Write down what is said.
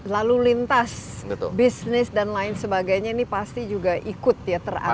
lalu lintas bisnis dan lain sebagainya ini pasti juga ikut ya terangkat dengan adanya ini